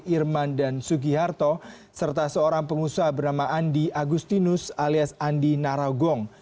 irman dan sugi harto serta seorang pengusaha bernama andi agustinus alias andi naragong